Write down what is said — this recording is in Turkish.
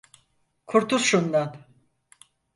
Kurtul şundan!